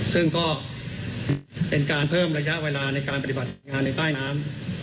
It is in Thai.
ซึ่งก็เป็นการเพิ่มระยะเวลาในการปฏิบัติงานในใต้น้ำ